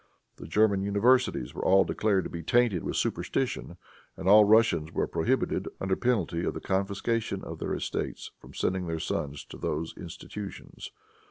The German universities were all declared to be tainted with superstition, and all Russians were prohibited, under penalty of the confiscation of their estates, from sending their sons to those institutions.